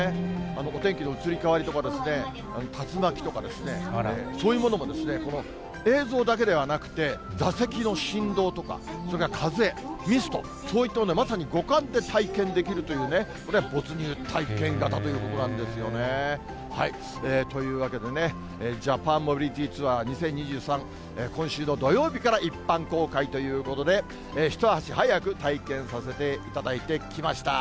お天気の移り変わりとか、竜巻とかですね、そういうものもこの映像だけではなくて、座席の振動とか、それから風、ミスト、そういったもの、まさに五感で体験できるという、これ、没入体験型ということなんですよね。というわけでね、ジャパンモビリティツアー２０２３、今週の土曜日から一般公開ということで、一足早く体験させていただいてきました。